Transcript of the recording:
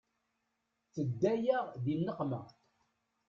Tedda-yaɣ di nneqma.